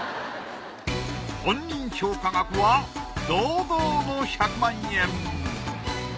本人評価額は堂々の１００万円。